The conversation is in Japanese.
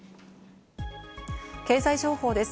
経済情報です。